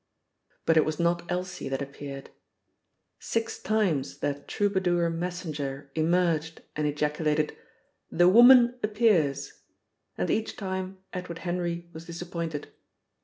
But it was not Elsie that appeared. Six times that troubadour messenger emerged and ejaculated, "The woman appears," and each time Edward Henry was disappointed.